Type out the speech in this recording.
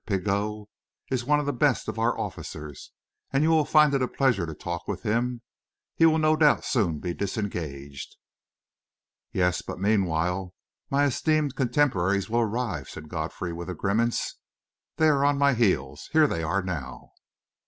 Pigot is one of the best of our officers, and you will find it a pleasure to talk with him. He will no doubt soon be disengaged." "Yes, but meanwhile my esteemed contemporaries will arrive," said Godfrey, with a grimace. "They are on my heels here they are now!"